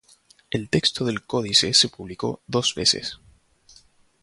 El texto del códice se publicó dos veces.